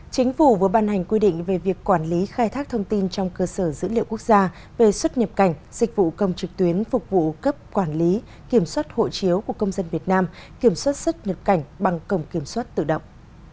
chính phủ vừa ban hành quy định về việc quản lý khai thác thông tin trong cơ sở dữ liệu quốc gia về xuất nhập cảnh dịch vụ công trực tuyến phục vụ cấp quản lý kiểm soát hộ chiếu của công dân việt nam kiểm soát xuất nhập cảnh bằng cổng kiểm soát tự động